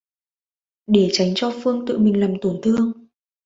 Để chánh cho Phương tự mình làm tổn thương